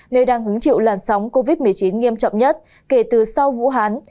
nơi đang hứng chịu làn sóng covid một mươi chín nghiêm trọng nhất kể từ sau vũ hán